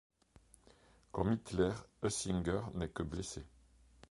Comme Hitler, Heusinger n'est que blessé.